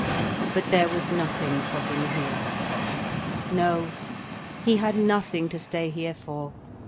But there was nothing for him here. No, he had nothing to stay here for.